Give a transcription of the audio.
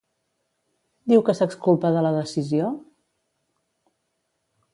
Diu que s'exculpa de la decisió?